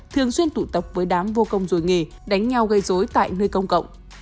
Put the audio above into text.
thường xuyên tụ tập với đám vô công rồi nghề đánh nhau gây dối tại nơi công cộng